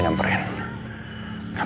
jangan sampai ketiga kali